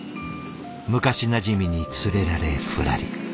昔なじみに連れられふらり。